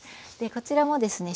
こちらもですね